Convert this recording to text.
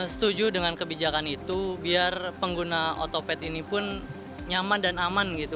setuju dengan kebijakan itu biar pengguna otopet ini pun nyaman dan aman gitu